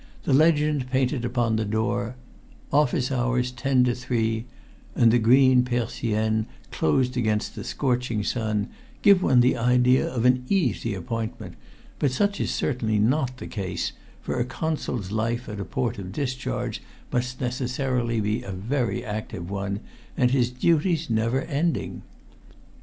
The legend painted upon the door, "Office hours, 10 to 3," and the green persiennes closed against the scorching sun give one the idea of an easy appointment, but such is certainly not the case, for a Consul's life at a port of discharge must necessarily be a very active one, and his duties never ending.